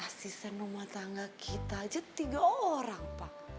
asisten rumah tangga kita aja tiga orang pak